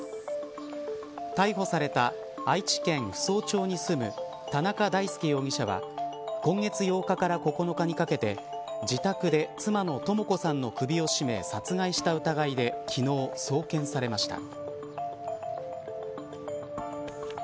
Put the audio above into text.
逮捕された、愛知県扶桑町に住む田中大介容疑者は今月８日から９日にかけて自宅で妻の智子さんの首を絞め殺害した疑いで昨日送検されました。